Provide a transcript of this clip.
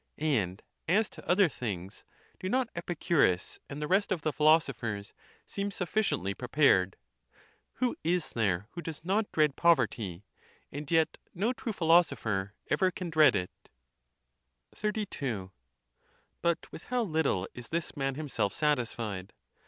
And as to other things, do not Epicurus and the rest of the philosophers seem suffi ciently prepared? Who is there who does not dread pov erty? And yet no true philosopher ever can dread it. XXXII. But with how little is this man himself satis fied!